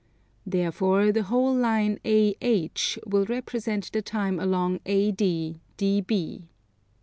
Therefore the whole line AH will represent the time along AD, DB.